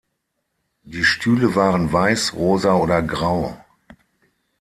Die Stühle waren weiß, rosa oder grau.